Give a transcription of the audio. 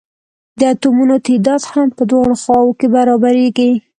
د اتومونو تعداد هم په دواړو خواؤ کې برابریږي.